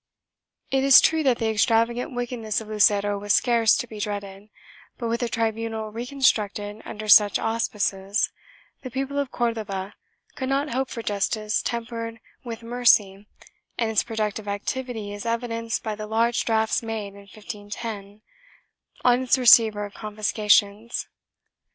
It is true that the extravagant wickedness of Lucero was scarce to be dreaded, but, with a tribunal reconstructed under such auspices, the people of Cordova could not hope for justice tempered with mercy and its pro ductive activity is evidenced by the large drafts made, in 1510, on its receiver of confiscations.